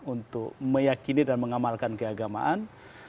untuk meyakini dan mengamalkan keagamaan